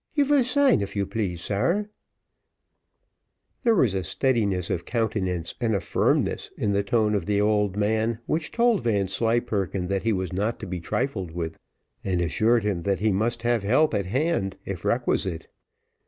You vill sign, if you please, sare." There was a steadiness of countenance and a firmness in the tone of the old man, which told Vanslyperken that he was not to be trifled with, and assured him that he must have help at hand if requisite.